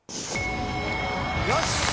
よし！